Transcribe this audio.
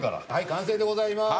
完成でございます。